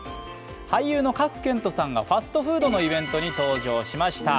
俳優の賀来賢人さんがファストフードのイベントに登場しました。